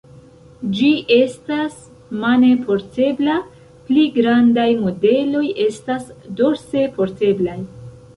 Ĝi estas mane portebla, pli grandaj modeloj estas dorse porteblaj.